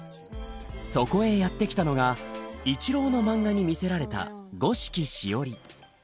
そこへやって来たのが一郎の漫画に魅せられた五色しおり。